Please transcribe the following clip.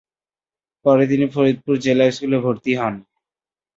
পরে তিনি ফরিদপুর জেলা স্কুলে ভর্তি হন।